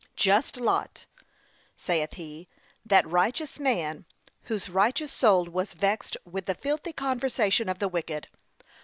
'Just Lot,' saith he, 'that righteous man,' whose righteous soul was vexed with the filthy conversation of the wicked.